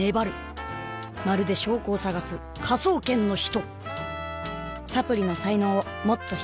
まるで証拠を探す「科捜研の人」！！